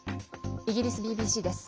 イギリスＢＢＣです。